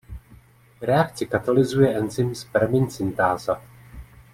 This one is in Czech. Reakci katalyzuje enzym sperminsyntáza.